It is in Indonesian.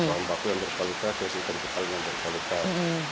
bahan baku yang berkualitas ikan kepal yang berkualitas